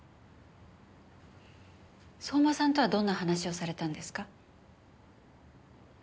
相馬さんとはどんな話をされたんですか？